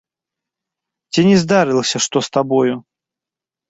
Ці не здарылася што з табою?